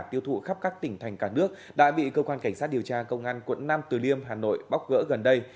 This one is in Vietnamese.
tiêu thụ khắp các tỉnh thành cả nước đã bị công an cảnh sát điều tra công an quận năm từ liêm hà nội bóc gỡ gần đây